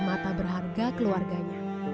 mata berharga keluarganya